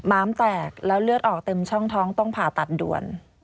ม้ามแตกแล้วเลือดออกเต็มช่องท้องต้องผ่าตัดด่วน